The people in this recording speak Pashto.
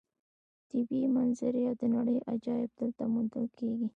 طبیعي منظرې او د نړۍ عجایب دلته موندل کېږي.